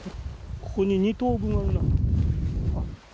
ここに２頭分あるな。